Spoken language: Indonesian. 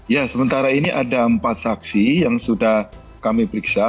ya sementara ini ada empat saksi yang sudah kami periksa